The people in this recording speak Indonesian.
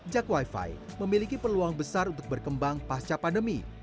jak wifi memiliki peluang besar untuk berkembang pasca pandemi